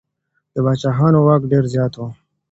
د پاچاهانو واک ډېر زيات و.